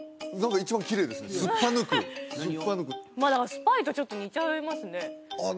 スパイとちょっと似ちゃいますね